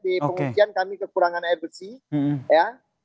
di pengungsian kami kekurangan air bersih ya